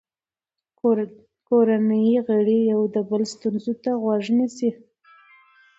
کورنۍ غړي د یو بل ستونزو ته غوږ نیسي